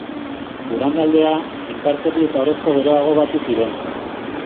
Durangaldea, Enkarterri eta Orozko geroago batu ziren.